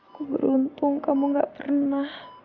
aku beruntung kamu gak pernah